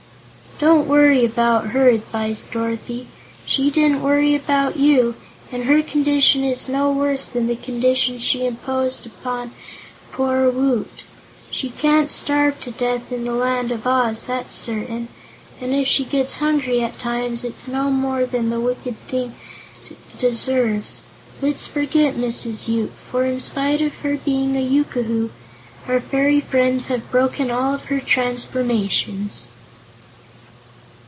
"Don't worry about her," advised Dorothy. "She didn't worry about you, and her condition is no worse than the condition she imposed on poor Woot. She can't starve to death in the Land of Oz, that's certain, and if she gets hungry at times it's no more than the wicked thing deserves. Let's forget Mrs. Yoop; for, in spite of her being a yookoohoo, our fairy friends have broken all of her transformations."